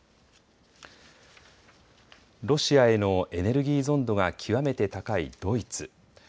ロシアへのエネルギー依存度が極めて高いドイツ。